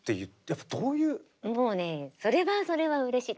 もうねそれはそれはうれしい。